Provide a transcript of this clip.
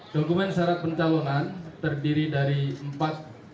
dokumen syarat pencalonan terdiri dari empat